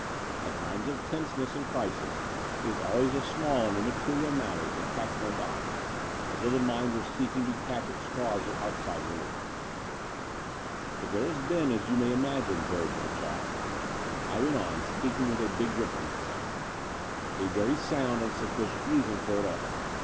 At times of tenseness and crisis it is always the small and immaterial matters that catch one's eye, as though the mind were seeking to catch at straws of outside relief. "But there has been, as you may imagine, Burge, old chap," I went on, speaking with a big 224 The Door of the Unreal grip on myself, '^a very sound and suflBdent reason for it all.